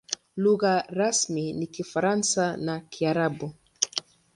Lugha rasmi ni Kifaransa na Kiarabu.